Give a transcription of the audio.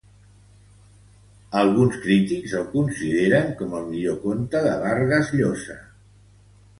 Alguns crítics el consideren com el millor conte de Vargas Llosa.